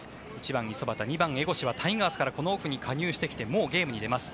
１番、五十幡２番、江越はタイガースからこのオフに加入してきてもうゲームに出ます。